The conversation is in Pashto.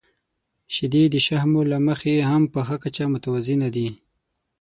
• شیدې د شحمو له مخې هم په ښه کچه متوازنه دي.